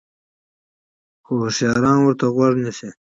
خو هوشیاران ورته غوږ نیسي.